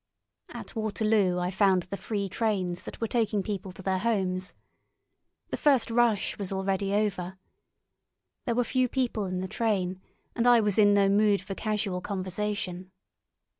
At Waterloo I found the free trains that were taking people to their homes. The first rush was already over. There were few people in the train, and I was in no mood for casual conversation.